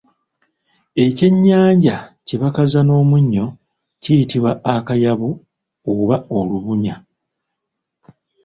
Ekyennyanja kye bakaza n’omunnyo kiyitibwa akayabu oba olubunya.